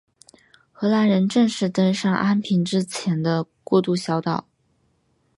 荷兰人正式登上安平之前的过渡小岛。